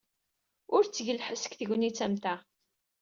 Ur tteg lḥess deg tegnit am ta.